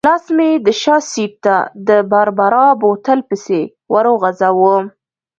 لاس مې د شا سېټ ته د باربرا بوتل پسې ورو غځاوه.